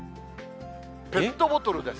ペットボトルです。